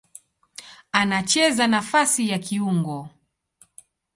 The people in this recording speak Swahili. Anacheza nafasi ya kiungo.